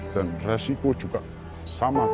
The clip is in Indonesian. dan resiko juga sama